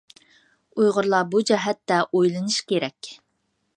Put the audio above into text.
ئۇيغۇرلار بۇ جەھەتتە ئويلىنىشى كېرەك.